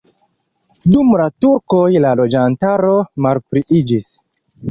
Dum la turkoj la loĝantaro malpliiĝis.